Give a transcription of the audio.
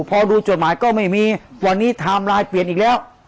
พอดูจดหมายก็ไม่มีวันนี้ไทม์ไลน์เปลี่ยนอีกแล้ว